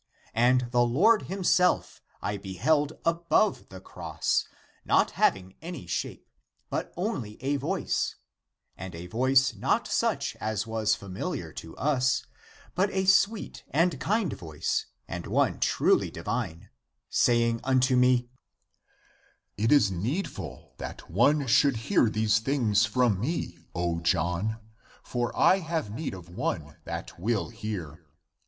And the Lord himself I beheld above the cross, not having any shape, but only a voice, and a voice not such as was familiar to us, but a sw^eet and kind voice and one truly divine, saying unto me :" It is needful that one should hear these things from me, O John, for I have need of one that will hear.